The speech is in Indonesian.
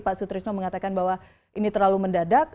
pak sutrisno mengatakan bahwa ini terlalu mendadak